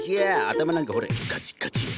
頭なんかほれカチカチ。